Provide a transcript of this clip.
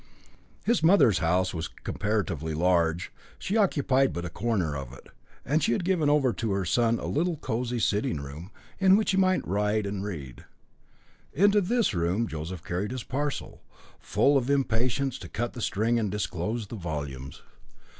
His mother's house was comparatively large; she occupied but a corner of it, and she had given over to her son a little cosy sitting room, in which he might write and read. Into this room Joseph carried his parcel, full of impatience to cut the string and disclose the volumes.